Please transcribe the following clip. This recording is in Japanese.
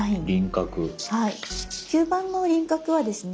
吸盤の輪郭はですね